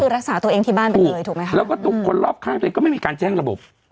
คือรักษาตัวเองที่บ้านไปเลยถูกไหมคะแล้วก็คนรอบข้างตัวเองก็ไม่มีการแจ้งระบบ